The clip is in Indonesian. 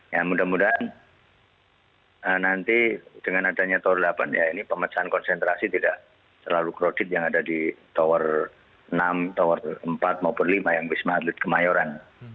ya mudah mudahan nanti dengan adanya tower delapan ya ini pemecahan konsentrasi tidak selalu krodit yang ada di tower enam tower empat maupun lima yang wisma atlet kemayoran